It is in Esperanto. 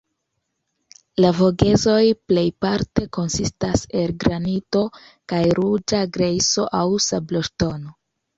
La Vogezoj plejparte konsistas el granito kaj ruĝa grejso aŭ sabloŝtono.